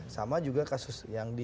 sama juga kasus yang di